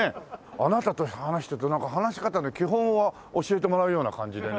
あなたと話してるとなんか話し方の基本を教えてもらうような感じでね。